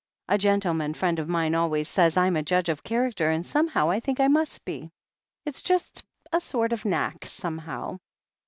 A gentleman friend of mine always says I'm a juc^e of character, and somehow I think I must be. It's just a sort of knack, somehow.